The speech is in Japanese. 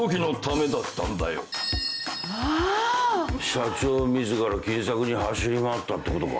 社長自ら金策に走り回ったってことか。